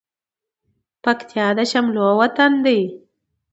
پکتيا د شملو وطن ده